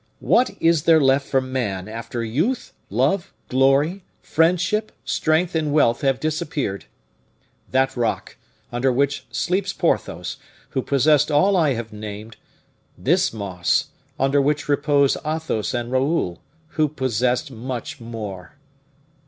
"What is there left for man after youth, love, glory, friendship, strength, and wealth have disappeared? That rock, under which sleeps Porthos, who possessed all I have named; this moss, under which repose Athos and Raoul, who possessed much more!"